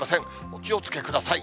お気をつけください。